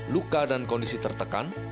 luka dan kondisi tertekan